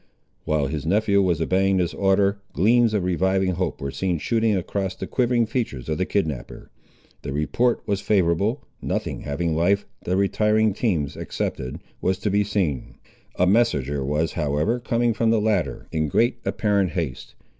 While his nephew was obeying this order, gleams of reviving hope were seen shooting across the quivering features of the kidnapper. The report was favourable, nothing having life, the retiring teams excepted, was to be seen. A messenger was, however, coming from the latter, in great apparent haste.